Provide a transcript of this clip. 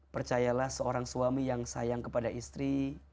percayalah seorang suami yang sayang kepada istri